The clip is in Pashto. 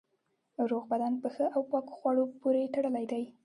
روغ بدن په ښه او پاکو خوړو پورې تړلی دی.